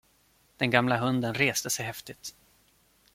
Den gamla hunden reste sig häftigt.